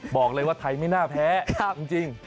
บอกเลยว่าไทยไม่น่าแพ้จริง